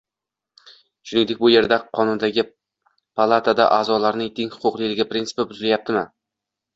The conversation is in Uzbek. Shuningdek, bu yerda Qonundagi Palata a’zolarining teng huquqliligi prinsipi buzilmayaptimi?